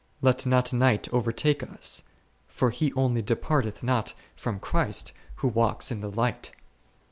Let not night overtake us, for he only departeth not from Christ who walks c IS in the light.